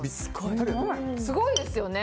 すごいですよね。